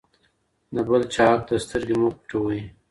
د بل چا حق ته سترګې مه پټوئ.